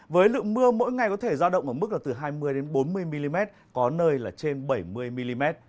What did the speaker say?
với lượng mưa mỗi ngày có thể giao động ở mức là từ hai mươi bốn mươi mm có nơi là trên bảy mươi mm